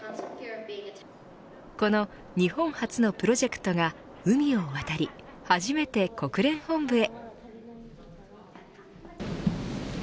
この日本発のプロジェクトが海を渡り初めて国連本部へ。